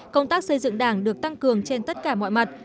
công tác xây dựng đảng được tăng cường trên tất cả mọi mặt